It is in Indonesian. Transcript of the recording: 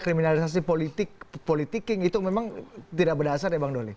kriminalisasi politik politiking itu memang tidak berdasar ya bang doli